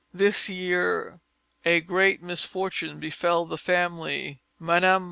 This year a great misfortune befell the family: Mme.